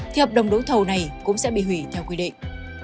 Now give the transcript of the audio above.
thì hợp đồng đấu thầu này cũng sẽ bị hủy theo quy định